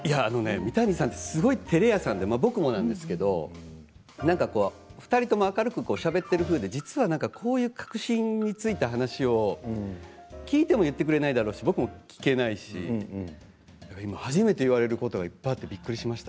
三谷さんってすごくてれ屋さんで僕もなんですけど２人ともすごく明るくしゃべってる風でこういう核心を突いた話を聞いても言ってくれないだろうし僕も聞けないしだから今初めて言われることがいっぱいあってびっくりしました。